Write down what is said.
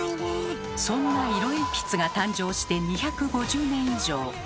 そんな色鉛筆が誕生して２５０年以上。